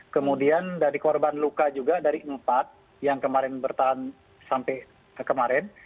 kemudian dari korban luka juga dari empat yang kemarin bertahan sampai kemarin